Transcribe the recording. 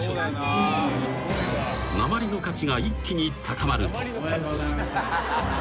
［なまりの価値が一気に高まると］